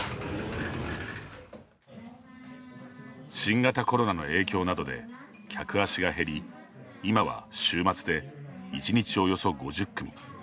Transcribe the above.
新型コロナの影響などで客足が減り今は週末で１日およそ５０組。